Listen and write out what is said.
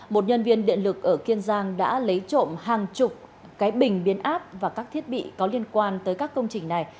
một nhân viên điện lực ở kiên giang đã lấy trộm hàng chục cái bình biến áp và các thiết bị có liên quan tới các công trình này